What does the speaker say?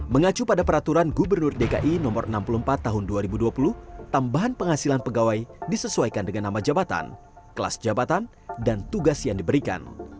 mengacu pada peraturan gubernur dki no enam puluh empat tahun dua ribu dua puluh tambahan penghasilan pegawai disesuaikan dengan nama jabatan kelas jabatan dan tugas yang diberikan